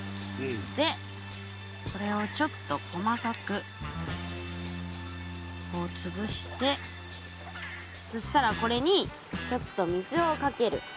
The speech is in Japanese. でこれをちょっと細かくつぶしてそしたらこれにちょっと水をかける。